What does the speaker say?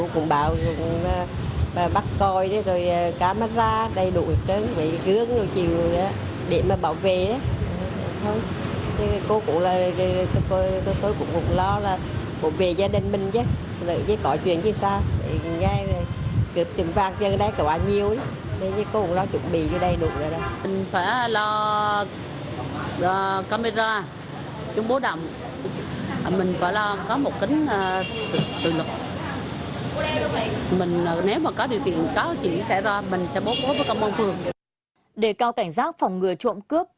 cảnh giác phòng ngừa trộm cướp